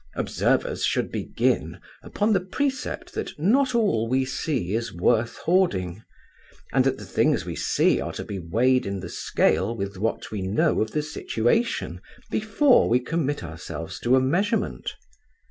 Observers should begin upon the precept, that not all we see is worth hoarding, and that the things we see are to be weighed in the scale with what we know of the situation, before we commit ourselves to a measurement.